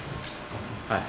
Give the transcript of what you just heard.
はい。